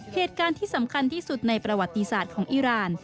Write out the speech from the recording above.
เหตุการณ์ที่สำคัญที่สุดในประวัติศาสตร์ของอิราณ